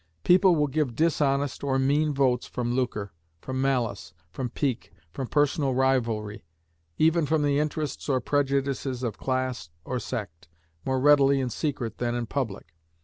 People will give dishonest or mean votes from lucre, from malice, from pique, from personal rivalry, even from the interests or prejudices of class or sect, more readily in secret than in public.